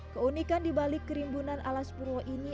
keunikan dibalik kerimbunan alaspurwo ini